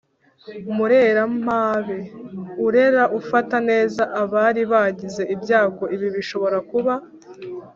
murerampabe: urera, ufata neza abari baragize ibyago ibi bishobora kuba